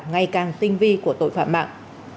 ngày càng tinh vi của tội phạm mạng